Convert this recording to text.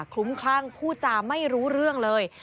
ลุ้มคลั่งพูดจาไม่รู้เรื่องเลย